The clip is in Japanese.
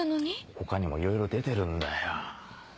他にもいろいろ出てるんだよ。